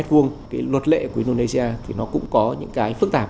cái luật lệ của indonesia thì nó cũng có những cái phức tạp